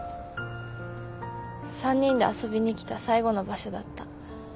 ３人で遊びに来た最後の場所だった。